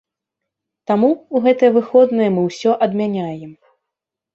Таму ў гэтыя выходныя мы ўсё адмяняем.